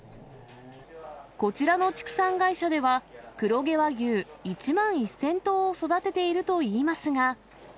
こちらの畜産会社では、黒毛和牛１万１０００頭を育てているといいますが。